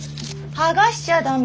剥がしちゃダメ